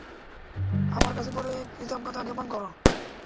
আমার কাছে পরে কৃতজ্ঞতা জ্ঞাপন কোরো।